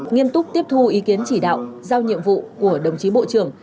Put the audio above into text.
nghiêm túc tiếp thu ý kiến chỉ đạo giao nhiệm vụ của đồng chí bộ trưởng